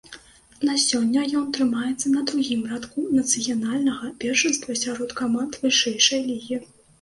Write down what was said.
На сёння ён трымаецца на другім радку нацыянальнага першынства сярод каманд вышэйшай лігі.